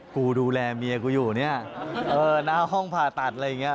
กูดูแลเมียกูอยู่เนี่ยเออหน้าห้องผ่าตัดอะไรอย่างนี้